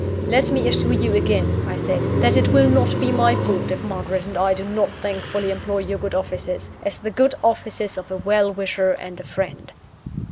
"Let me assure you again," I said, "that it will not be my fault if Margaret and I do not thankfully employ your good offices, as the good offices of a well wisher and a friend."